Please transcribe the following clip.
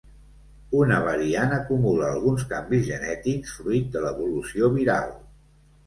Una variant acumula alguns canvis genètics fruit de l’evolució viral.